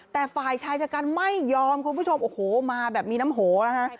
แต่ฝ่ายชายจัดการไม่ยอมคุณผู้ชมโอ้โหมาแบบมีน้ำโหนะฮะ